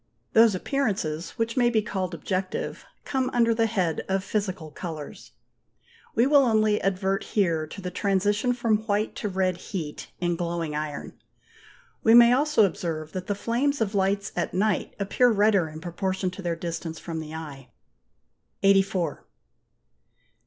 Those appearances which may be called objective, come under the head of physical colours. We will only advert here to the transition from white to red heat in glowing iron. We may also observe that the flames of lights at night appear redder in proportion to their distance from the eye. Note F. 84.